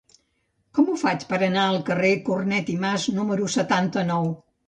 Com ho faig per anar al carrer de Cornet i Mas número setanta-nou?